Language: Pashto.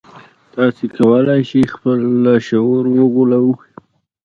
تاسې کولای شئ خپل لاشعور وغولوئ